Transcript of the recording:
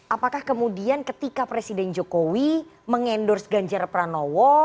apakah kemudian ketika presiden jokowi mengendorse ganjar pranowo